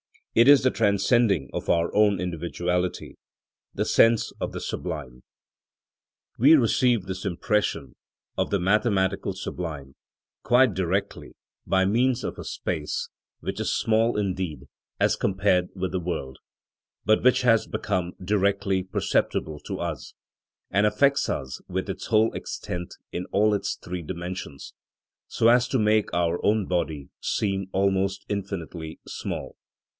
It is the transcending of our own individuality, the sense of the sublime. We receive this impression of the mathematical sublime, quite directly, by means of a space which is small indeed as compared with the world, but which has become directly perceptible to us, and affects us with its whole extent in all its three dimensions, so as to make our own body seem almost infinitely small.